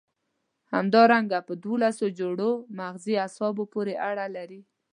همدارنګه په دوولس جوړو مغزي عصبو پورې اړه لري.